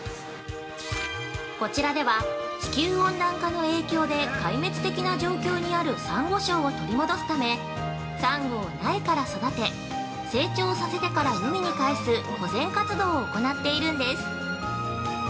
◆こちらでは地球温暖化の影響で壊滅的な状況にあるサンゴ礁を取り戻すためサンゴを苗から育て、成長させてから海に返す保全活動を行っているんです。